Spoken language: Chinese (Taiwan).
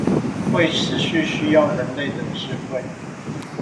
會持續需要人類的智慧